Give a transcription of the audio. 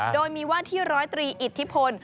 โดยมีวันที่๑๐๓อิทธิพล